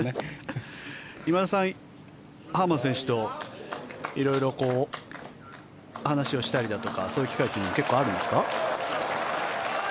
今田さん、ハーマン選手と色々話をしたりだとかそういう機会って結構あるんですか？